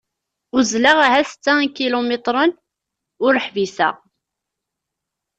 Uzzleɣ ahat setta ikilumitren ur ḥbiseɣ.